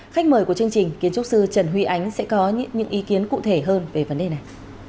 khách mời của chương trình kiến trúc sư trần huy ánh sẽ có những ý kiến cụ thể hơn về vấn đề này